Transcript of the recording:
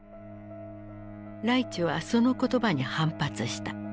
ライチュはその言葉に反発した。